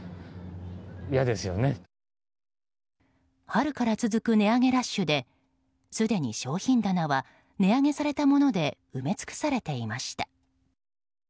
春から続く値上げラッシュですでに商品棚は値上げされたもので埋め尽くされていました。